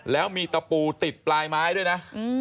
แล้วมีตะปูติดปลายไม้ด้วยนะ